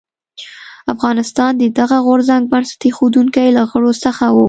افغانستان د دغه غورځنګ بنسټ ایښودونکو له غړو څخه و.